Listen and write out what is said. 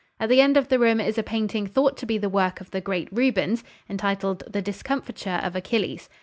At the end of the room is a painting thought to be the work of the great Rubens, entitled "The Discomfiture of Achilles."